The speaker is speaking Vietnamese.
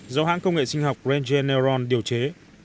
do hãng công nghệ sinh học regeneron điều chế